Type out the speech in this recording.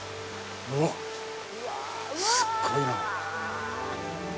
うわっ、すっごいなあ。